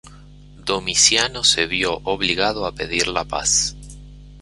Domiciano se vio obligado a pedir la paz.